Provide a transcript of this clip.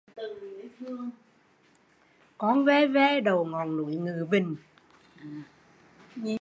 Con ve ve đậu ngọn núi Ngự Bình